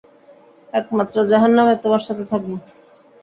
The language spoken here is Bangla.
একমাত্র জাহান্নামে তোমার সাথে থাকবো।